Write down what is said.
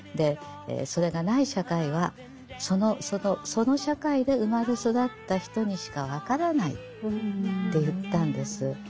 それがない社会はその社会で生まれ育った人にしか分からないって言ったんです。